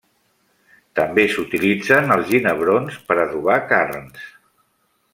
També s'utilitzen els ginebrons per adobar carns.